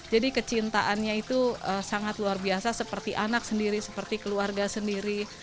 jadi kecintaannya itu sangat luar biasa seperti anak sendiri seperti keluarga sendiri